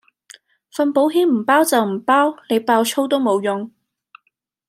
份保險唔包就唔包，你爆粗都冇用